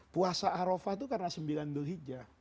puasa arofah itu karena sembilan dhul hijjah